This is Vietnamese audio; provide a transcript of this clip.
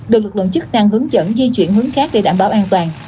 được lực lượng chức năng hướng dẫn di chuyển hướng khác để đảm bảo an toàn